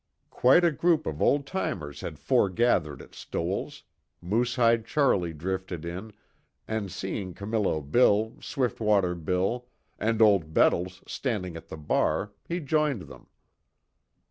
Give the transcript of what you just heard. Quite a group of old timers had foregathered at Stoell's, Moosehide Charlie drifted in, and seeing Camillo Bill, Swiftwater Bill, and Old Bettles standing at the bar, he joined them.